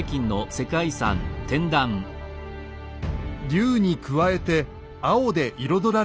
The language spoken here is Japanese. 龍に加えて青で彩られた天主。